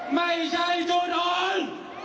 ไม่ใช่จุดอ่อน